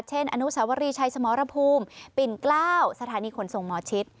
เช่นอนุสวรีชัยสมรภูมิปิ่นกล้าวสถานีคนทรงมอชิต